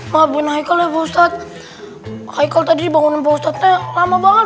makanya kalau bosat hai kalau tadi bangun post opnya lama banget